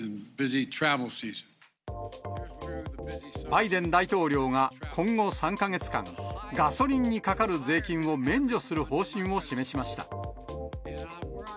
バイデン大統領が今後３か月間、ガソリンにかかる税金を免除する方針を示しました。